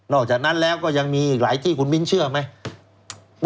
อกจากนั้นแล้วก็ยังมีอีกหลายที่คุณมิ้นเชื่อไหม